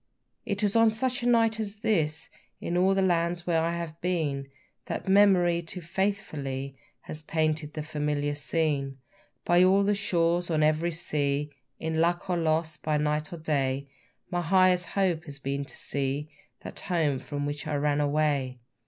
It is of such a night as this, In all the lands where I have been, That memory too faithfully Has painted the familiar scene. By all the shores, on every sea, In luck or loss, by night or day, My highest hope has been to see That home from which I ran away.